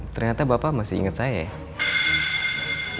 ternyata bapak masih ingat saya ya